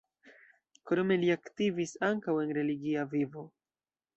Krome li aktivis ankaŭ en religia vivo.